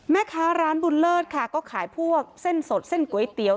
แม่ค้าร้านบุญเลิศค่ะก็ขายพวกเส้นสดเส้นก๋วยเตี๋ยว